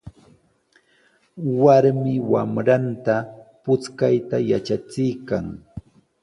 Warmi wamranta puchkayta yatrachiykan.